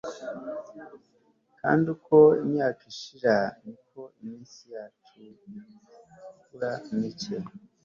kandi uko imyaka ishira niko iminsi yacu ikura mike